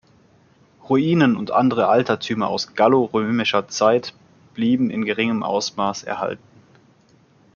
Ruinen und andere Altertümer aus gallo-römischer Zeit blieben in geringem Ausmaß erhalten.